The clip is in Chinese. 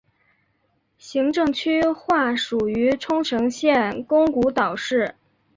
行政区划属于冲绳县宫古岛市。